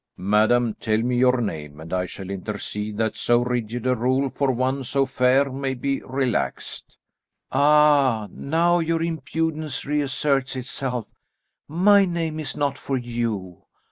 "Madam, tell me your name, and I shall intercede that so rigid a rule for one so fair may be relaxed." "Ah, now your impudence reasserts itself. My name is not for you.